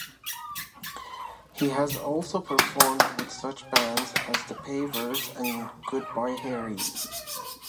He has also performed with such bands as The Pavers and Goodbye Harry.